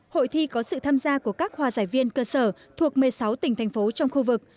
hội thi có sự tham gia của các hòa giải viên cơ sở thuộc một mươi sáu tỉnh thành phố trong khu vực